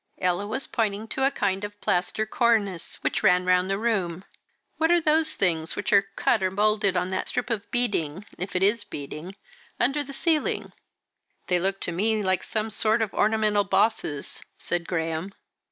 Ella was pointing to a kind of plaster cornice which ran round the room. "What are those things which are cut or moulded on that strip of beading, if it is beading, under the ceiling?" "They look to me like some sort of ornamental bosses," said Graham.